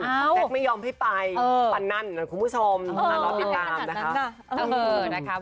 แจ๊คไม่ยอมให้ไปฟันนั่นคุณผู้ชมรอติดตามนะคะ